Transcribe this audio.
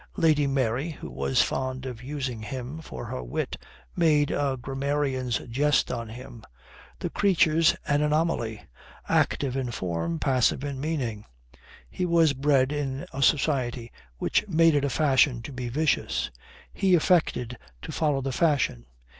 Lady Mary, who was fond of using him for her wit, made a grammarian's jest on him, "The creature's an anomaly: active in form, passive in meaning." He was bred in a society which made it a fashion to be vicious. He affected to follow the fashion.